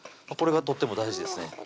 これがとっても大事ですね